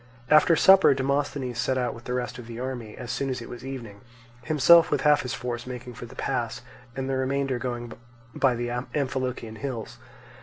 After supper Demosthenes set out with the rest of the army, as soon as it was evening; himself with half his force making for the pass, and the remainder going by the Amphilochian hills.